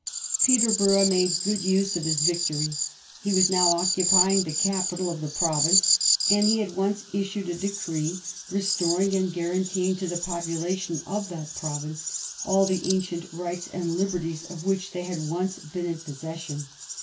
Peterborough made good use of his victory. He was now occupying the capital of the province, and he at once issued a decree restoring and guaranteeing to the population of that province all the ancient rights and liberties of which they had once been in posses sion.